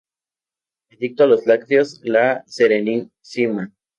Adicto a los lácteos la Serenísima.